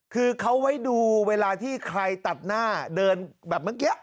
คือเขาไว้ดูเวลาที่ใครตัดหน้าเดินแบบเมื่อกี้